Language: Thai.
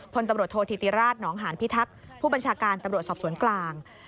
พลตำรวจโทษธิติราชหนองหานพิทักษ์ผู้บัญชาการตำรวจสอบสวนกลาง